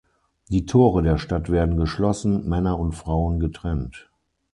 Die Tore der Stadt werden geschlossen, Männer und Frauen getrennt.